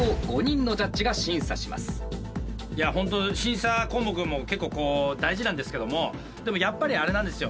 いや本当審査項目も結構大事なんですけどもでもやっぱりあれなんですよ